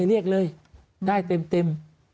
เรียกเลยได้เต็ม